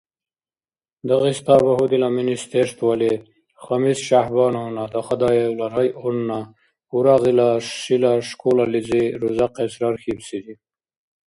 Дагъиста багьудила Министерстволи Хамис ШяхӀбановна Дахадаевла районна Урагъила шила школализи рузахъес рархьибсири.